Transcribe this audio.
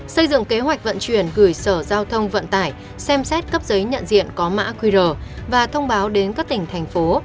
xây dựng kế hoạch vận chuyển gửi sở giao thông vận tải xem xét cấp giấy nhận diện có mã qr và thông báo đến các tỉnh thành phố